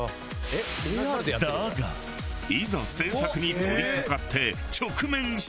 だがいざ制作に取りかかって直面したのが。